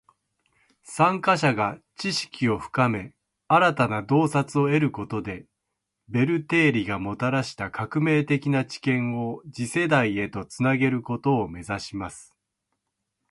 参加者が知識を深め，新たな洞察を得ることで，ベル定理がもたらした革命的な知見を次世代へと繋げることを目指します．